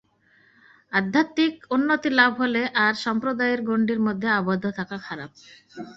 আধ্যাত্মিক উন্নতিলাভ হলে আর সম্প্রদায়ের গণ্ডির মধ্যে আবদ্ধ থাকা খারাপ।